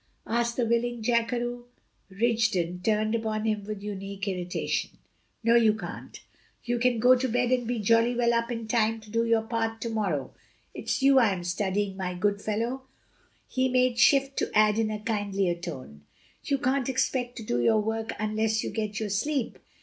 asked the willing jackeroo. Rigden turned upon him with unique irritation. "No, you can't! You can go to bed and be jolly well up in time to do your part to morrow! It's you I am studying, my good fellow," he made shift to add in a kindlier tone; "you can't expect to do your work unless you get your sleep.